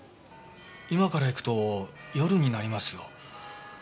今から行くと夜になりますよ？